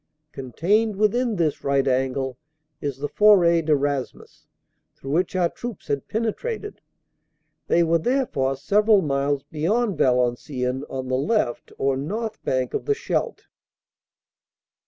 Contained within this right angle is the Foret de Raismes, through which our troops had penetrated. They were therefore several miles beyond Valenciennes on the left or north bank of the Scheldt.